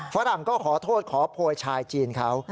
ฝรั่งก็ขอโทษขอโพยชายจีนเขา